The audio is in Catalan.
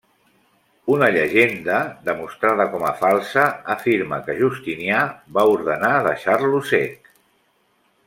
Una llegenda, demostrada com a falsa, afirma que Justinià va ordenar deixar-lo cec.